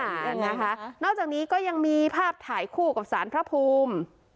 นะคะนอกจากนี้ก็ยังมีภาพถ่ายคู่กับสารพระภูมิ